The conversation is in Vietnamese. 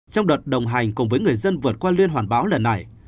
trong đợt đồng hành cùng với người dân vượt qua liên hoàn báo lần này